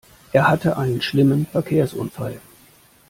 Er hatte einen schlimmen Verkehrsunfall.